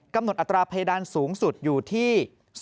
กำหนดอัตราเพดานสูงสุดอยู่ที่๐๒